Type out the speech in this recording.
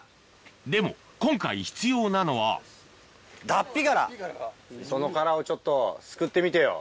でも今回必要なのはその殻をちょっとすくってみてよ。